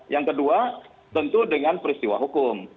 yang kedua tentu dengan peristiwa hukum